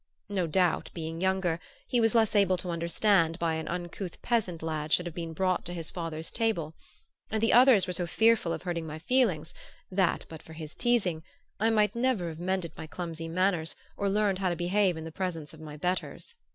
No doubt, being younger, he was less able to understand why an uncouth peasant lad should have been brought to his father's table; and the others were so fearful of hurting my feelings that, but for his teasing, I might never have mended my clumsy manners or learned how to behave in the presence of my betters.